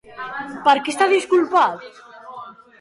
Per què s'ha disculpat?